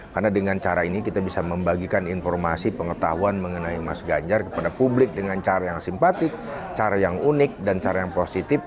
karena dengan cara ini kita bisa membagikan informasi pengetahuan mengenai mas ganjar kepada publik dengan cara yang simpatik cara yang unik dan cara yang positif